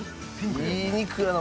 いい肉やな